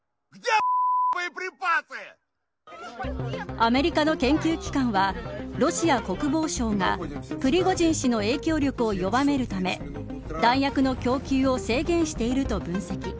アメリカの研究機関はロシアを国防省がプリゴジン氏の影響力を弱めるため弾薬の供給を制限していると分析。